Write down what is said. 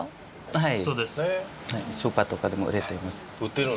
はい。